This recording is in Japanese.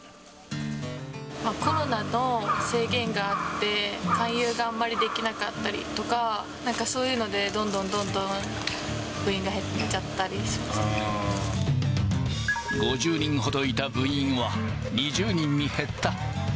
コロナの制限があって、勧誘があんまりできなかったりとか、なんかそういうので、どんどんどんどん、５０人ほどいた部員は、２０人に減った。